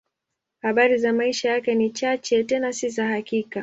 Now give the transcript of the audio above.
Habari za maisha yake ni chache, tena si za hakika.